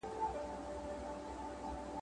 نن یې رنګ د شګوفو بوی د سکروټو ..